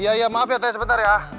ya ya maaf ya tadi sebentar ya